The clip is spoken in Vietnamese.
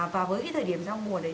và với cái thời điểm giao mùa đấy